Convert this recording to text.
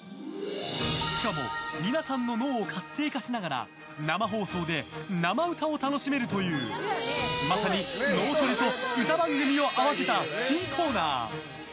しかも、皆さんの脳を活性化しながら生放送で生歌を楽しめるというまさに脳トレと歌番組を合わせた新コーナー。